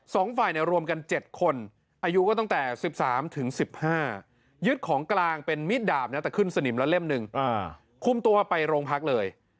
สองฝ่ายเนี่ยรวมกัน๗คนอายุก็ตั้งแต่๑๓๑๕ยึดของกลางเป็นมิดดาบนะแต่ขึ้นสนิมละเล่มหนึ่งคุมตัวไปโรงพักเลย